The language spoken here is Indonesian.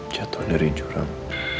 jatuh dari jurang